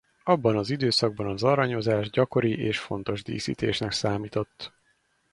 Abban az időszakban az aranyozás gyakori és fontos díszítésnek számított.